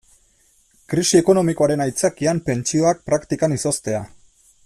Krisi ekonomikoaren aitzakian pentsioak praktikan izoztea.